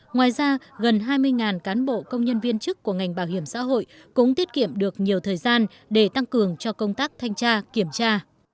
ngoài ra gần hai mươi cán bộ công nhân viên chức của ngành bảo hiểm xã hội cũng tiết kiệm được nhiều thời gian để tăng cường cho công tác thanh tra kiểm tra